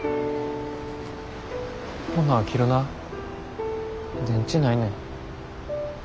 ほな切るな電池ないねん。